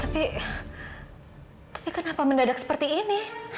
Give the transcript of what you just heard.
tapi tapi kenapa mendadak seperti ini